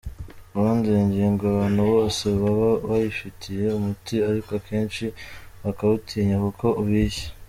Ubundi iyi ngingo abantu bose baba bayifitiye umuti ariko akenshi bakawutinya kuko ubishye.